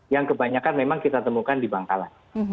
yang kebanyakan memang kita temukan di bangkalan